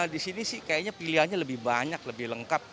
di sini sih kayaknya pilihannya lebih banyak lebih lengkap